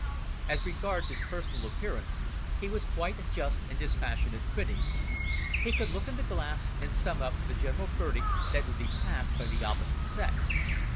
As regards his personal appearance, he was quite a just and dispassionate critic. He could look in the glass and sum up the general verdict that would be passed by the opposite sex.